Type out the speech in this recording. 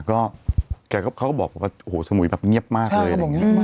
ก็เขาก็บอกว่าโอ้โหสมุยแบบเงียบมากเลย